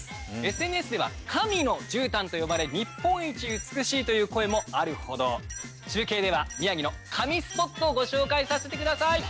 ＳＮＳでは神の絨毯と呼ばれ日本一美しいという声もあるほど中継では宮城の神スポットをご紹介させてください